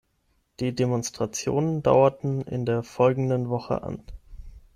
Die Demonstrationen dauerten in der folgenden Woche an.